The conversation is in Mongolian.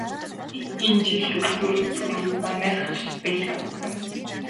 Энэ жилийн үзүүр түрүү манайх л байх байлгүй.